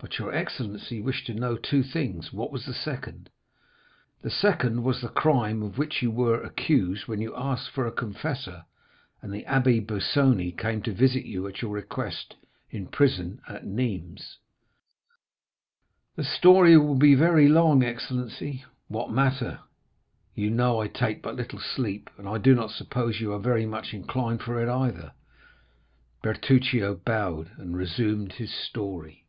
But your excellency wished to know two things; what was the second?" "The second was the crime of which you were accused when you asked for a confessor, and the Abbé Busoni came to visit you at your request in the prison at Nîmes." "The story will be very long, excellency." "What matter? you know I take but little sleep, and I do not suppose you are very much inclined for it either." Bertuccio bowed, and resumed his story.